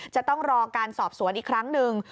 จะต้องรอการสอบสวนอีกครั้งหนึ่ง